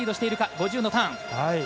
５０のターン。